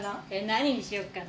何にしようかな？